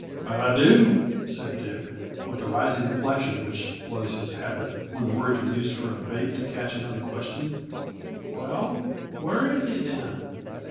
"I do," said Dick, with the rising inflection which was his habit, when the words were used for a bait to catch another question. "Well, where is he, then?"